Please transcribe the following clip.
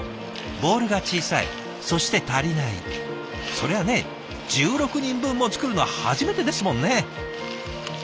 そりゃあね１６人分も作るの初めてですもんね。